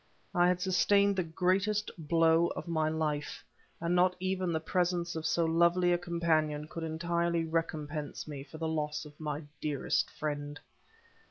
I had sustained the greatest blow of my life, and not even the presence of so lovely a companion could entirely recompense me for the loss of my dearest friend.